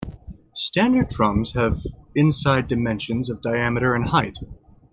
Standard drums have inside dimensions of diameter and height.